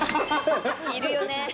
いるよね。